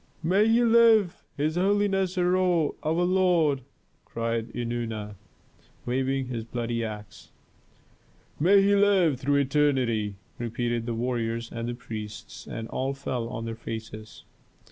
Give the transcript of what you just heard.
"May he live, his holiness Herhor, our lord!" cried Eunana, waving his bloody axe. "May he live through eternity!" repeated the warriors and priests, and all fell on their faces.